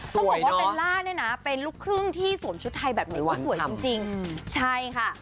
สวยเนอะเป็นลูกครึ่งที่สวนชุดไทยแบบไหนก็สวยจริงจริงใช่ค่ะ